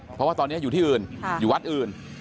เพราะว่าตอนนี้อยู่ที่อื่นอยู่วัดอื่น